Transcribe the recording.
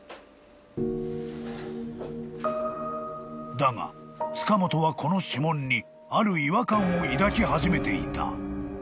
［だが塚本はこの指紋にある違和感を抱き始めていた］